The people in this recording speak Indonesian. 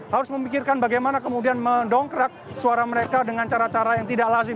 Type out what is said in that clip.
harus memikirkan bagaimana kemudian mendongkrak suara mereka dengan cara cara yang tidak lazim